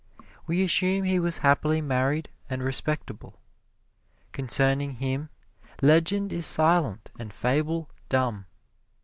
We assume he was happily married and respectable. Concerning him legend is silent and fable dumb.